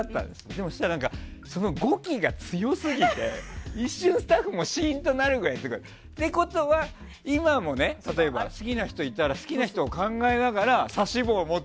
そうしたら、その語気が強すぎて一瞬、スタッフもシーンとなるくらい。ということは今も好きな人いたら好きな人を考えてますよね。